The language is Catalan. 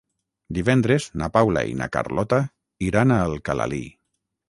Divendres na Paula i na Carlota iran a Alcalalí.